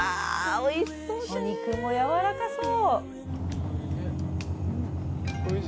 お肉もやわらかそう。